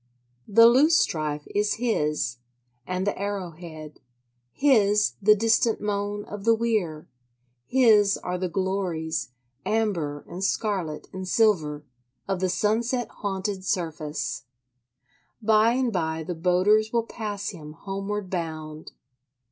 The loosestrife is his, and the arrow head: his the distant moan of the weir; his are the glories, amber and scarlet and silver, of the sunset haunted surface. By and by the boaters will pass him homeward bound.